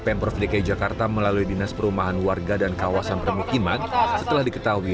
pemprov dki jakarta melalui dinas perumahan warga dan kawasan permukiman setelah diketahui